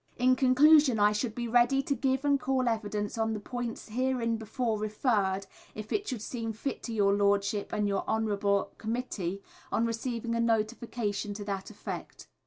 In conclusion I should be ready to give and call Evidence on the points hereinbefore referred to (if it should seem fit to your Lordship and your Honourable Committee), on receiving a notification to that effect.